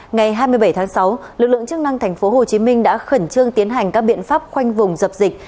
ngày hai mươi bảy tháng sáu lực lượng chức năng tp hcm đã khẩn trương tiến hành các biện pháp khoanh vùng dập dịch